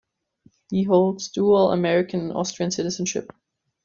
He holds dual American and Austrian citizenship.